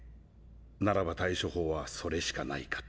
ならば対処法はそれしかないかと。